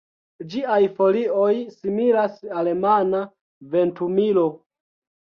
Ĝiaj folioj similas al mana ventumilo.